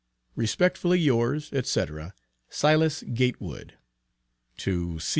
Respectfully yours, &c, SILAS GATEWOOD. TO C.